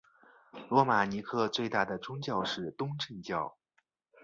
罗马尼亚最大的宗教是东正教。